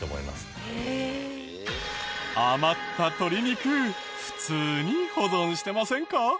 余った鶏肉普通に保存してませんか？